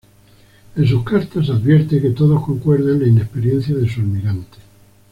En sus cartas se advierte que todos concuerdan en la inexperiencia de su almirante.